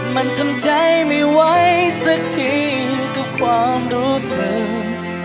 มันทำใจไม่ไหวสักทีกับความรู้สึก